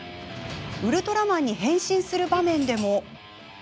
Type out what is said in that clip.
ウルトラマンに変身する場面でも。